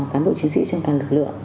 cán bộ chiến sĩ trong toàn lực lượng